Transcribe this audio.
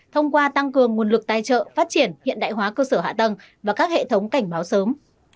thông qua tăng cường nguồn lực tài trợ phát triển hiện đại hóa cơ sở hạ tầng và các hệ thống cảnh báo sớm